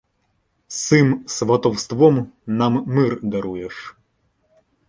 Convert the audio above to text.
Сим сватовством нам мир даруєш